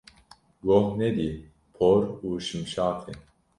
Goh nedî por û şimşatê.